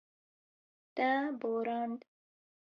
Te borand.